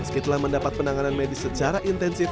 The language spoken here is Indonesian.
meski telah mendapat penanganan medis secara intensif